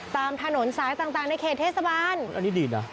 ตามถนนสายต่างในเขตเทศบาลอันนี้ดีนะ